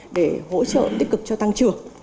để hỗ trợ tích cực cho tăng trưởng